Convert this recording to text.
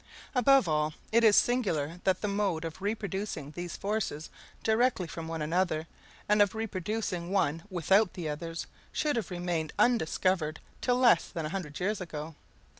Above all, it is singular that the mode of reproducing these forces directly from one another, and of reproducing one without the others, should have remained undiscovered till less than a hundred years ago.